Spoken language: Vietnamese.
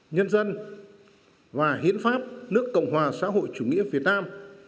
nhân dân và hiến pháp nước cộng hòa xã hội chủ nghĩa việt nam